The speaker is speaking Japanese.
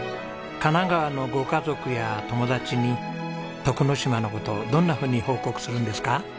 神奈川のご家族や友達に徳之島の事をどんなふうに報告するんですか？